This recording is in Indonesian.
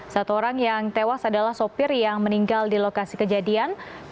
satu orang yang tewas adalah sopir yang meninggal di lokasi kejadian